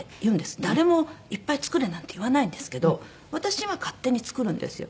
誰も「いっぱい作れ」なんて言わないんですけど私が勝手に作るんですよ。